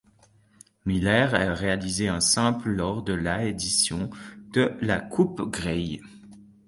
Miller a réalisé un simple lors de la édition de la Coupe Grey.